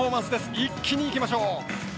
一気にいきましょう。